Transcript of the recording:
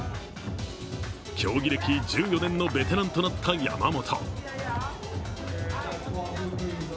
競技歴１４年のベテランとなった山本。